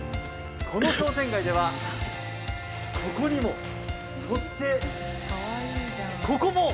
この商店街ではここにもそして、ここも。